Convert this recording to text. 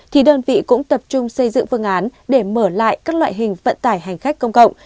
thì đơn vị cũng tập trung xây dựng phương án để mở lại các loại hình vận tải hành khách công cộng